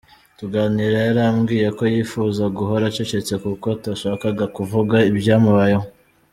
Tuganira yarambwiye ko yifuza guhora acecetse kuko atashakaga kuvuga ibyamubayeho.